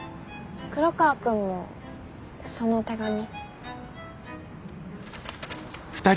黒川くんもその手紙。